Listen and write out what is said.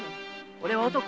俺は男。